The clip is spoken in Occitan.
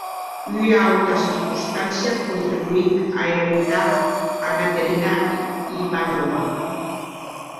Ua auta circonstància contribuic a irritar a Caterina Ivanovna.